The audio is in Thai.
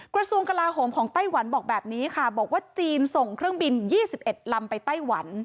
กระสุนกระลาฮมของไต้หวันบอกแบบนี้ค่ะ